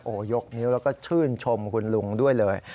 โอ้โหยกนิ้วแล้วก็ชื่นชมคุณลุงด้วยเลย